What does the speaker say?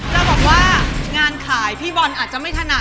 จะบอกว่างานขายพี่บอลอาจจะไม่ถนัด